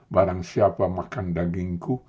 barang siapa makan dagingku